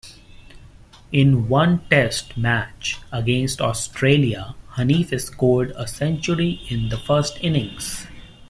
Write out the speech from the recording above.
In one Test match against Australia, Hanif scored a century in the first innings.